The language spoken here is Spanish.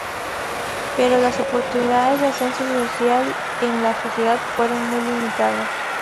Pero las oportunidades de ascenso social en la sociedad fueron muy limitadas.